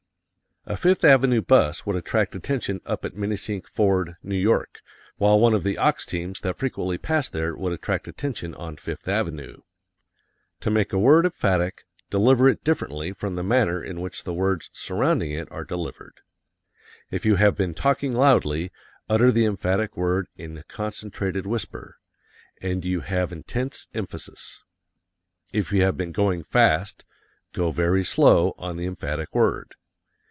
A Fifth Avenue bus would attract attention up at Minisink Ford, New York, while one of the ox teams that frequently pass there would attract attention on Fifth Avenue. To make a word emphatic, deliver it differently from the manner in which the words surrounding it are delivered. If you have been talking loudly, utter the emphatic word in a concentrated whisper and you have intense emphasis. If you have been going fast, go very slow on the emphatic word.